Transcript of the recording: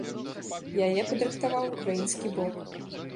Яе падрыхтаваў украінскі бок.